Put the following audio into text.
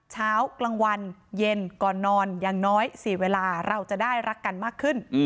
เช้ากลางวันเย็นก่อนนอนอย่างน้อย๔เวลาเราจะได้รักกันมากขึ้น